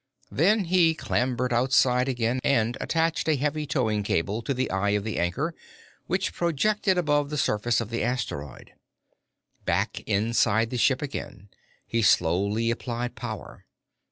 Then he clambered outside again and attached a heavy towing cable to the eye of the anchor, which projected above the surface of the asteroid. Back inside the ship again, he slowly applied power.